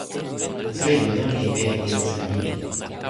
jan sewi Juno li meli pi jan sewi Jupite.